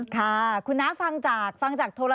ค่ะคุณน้าฟังจากโทรศัพท์นะ